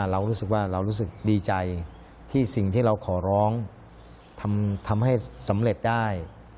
เรารู้สึกว่าเรารู้สึกดีใจที่สิ่งที่เราขอร้องทำให้สำเร็จได้